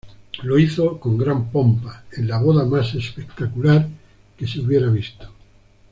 Lo hizo con gran pompa, en la boda más espectacular que se hubiera visto.